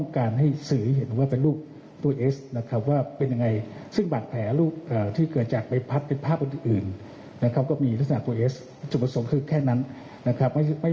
คุณผู้ชมครับในการชี้แจงของตำรวจในวันนี้